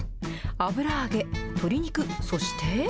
油揚げ、鶏肉、そして。